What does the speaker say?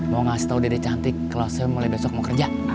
mau ngasih tahu diri cantik kalau saya mulai besok mau kerja